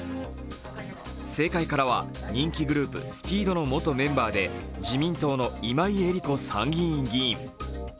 政界からは人気グループ、ＳＰＥＥＤの元メンバーで自民党の今井絵理子参議院議員。